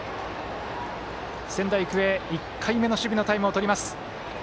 仙台育英、１回目の守備のタイムをとります。